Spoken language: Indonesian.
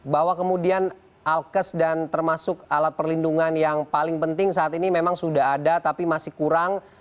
bahwa kemudian alkes dan termasuk alat perlindungan yang paling penting saat ini memang sudah ada tapi masih kurang